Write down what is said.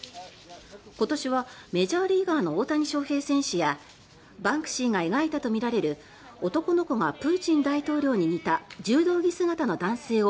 今年はメジャーリーガーの大谷翔平選手やバンクシーが描いたとみられる男の子がプーチン大統領に似た柔道着姿の男性を